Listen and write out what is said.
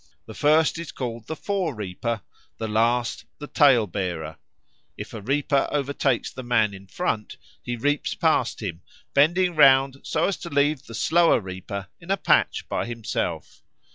The first is called the fore reaper, the last the tail bearer. If a reaper overtakes the man in front he reaps past him, bending round so as to leave the slower reaper in a patch by himself.